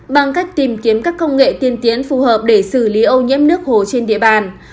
bằng cách tìm kiếm các công nghệ tiên tiến phù hợp để xử lý ô nhiễm nước hồ trên địa bàn